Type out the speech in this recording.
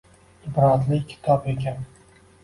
Ibratli kitob ekan.